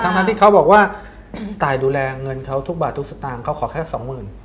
ทั้งที่เขาบอกว่าตายดูแลเงินเขาทุกบาททุกสตางค์เขาขอแค่สองหมื่น